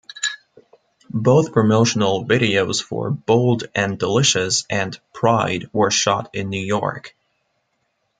Both promotional videos for "Bold and Delicious" and "Pride" were shot in New York.